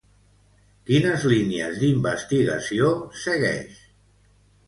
Quines línies d'investigació segueix?